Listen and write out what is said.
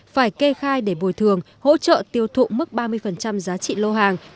phải kê khai để bồi thường hỗ trợ tiêu thụ mức ba mươi giá trị lô hàng